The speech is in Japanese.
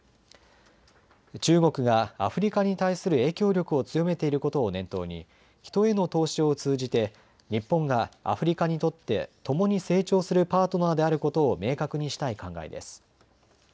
中国がアフリカに対する影響力を強めていることを念頭に人への投資を通じて日本がアフリカにとって共に成長するパートナーであることを明確にしたい考えです。